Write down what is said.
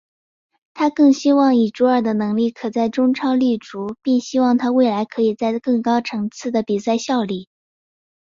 他更认为以祖尔的能力可在中超立足并希望他未来可以在更高层次的比赛效力。